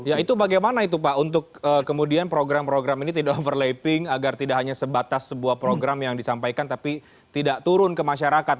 ya itu bagaimana itu pak untuk kemudian program program ini tidak overlapping agar tidak hanya sebatas sebuah program yang disampaikan tapi tidak turun ke masyarakat